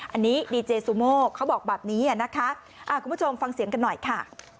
อันนี้ดีเจซูโมเขาบอกแบบนี้นะคะคุณผู้ชมฟังเสียงกันหน่อยค่ะ